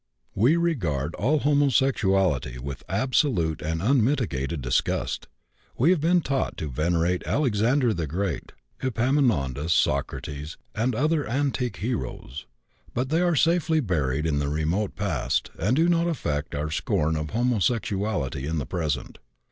We regard all homosexuality with absolute and unmitigated disgust. We have been taught to venerate Alexander the Great, Epaminondas, Socrates, and other antique heroes; but they are safely buried in the remote past, and do not affect our scorn of homosexuality in the present.